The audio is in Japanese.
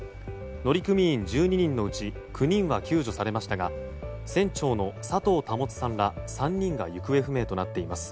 乗組員１２人のうち９人は救助されましたが船長の佐藤保さんら３人が行方不明となっています。